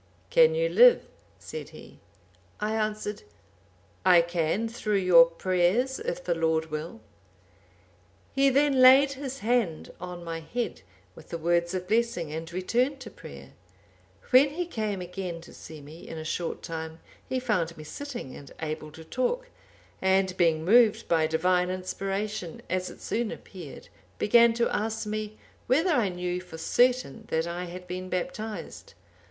'—'Can you live?' said he. I answered, 'I can, through your prayers, if the Lord will.' "He then laid his hand on my head, with the words of blessing, and returned to prayer; when he came again to see me, in a short time, he found me sitting and able to talk; and, being moved by Divine inspiration, as it soon appeared, began to ask me, whether I knew for certain that I had been baptized?